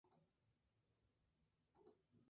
La festividad de "La Expectación de Ntra.